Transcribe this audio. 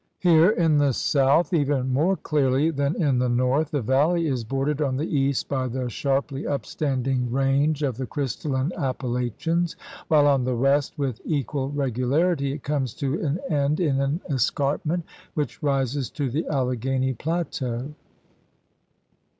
Here in the south, even more clearly than in the north, the valley is bordered on the east by the sharply upstanding 64 THE RED MAN'S CONTINENT range of the crystalline Appalachians, while on the west with equal regularity it comes to an end in an escarpment which rises to the Alleghany plateau.